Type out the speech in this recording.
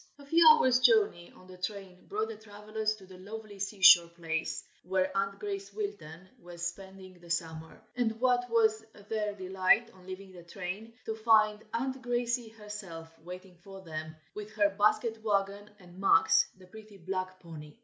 A few hours journey on the train brought the travelers to the lovely sea shore place where Aunt Grace Wilton was spending the summer: and what was their delight on leaving the train, to find Aunt Grace herself waiting for them, with her basket wagon, and Max, the pretty black pony.